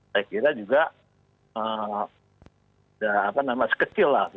saya kira juga apa namanya sekecil lah